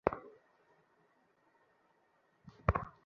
এখন এরূপ চিন্তা করি না।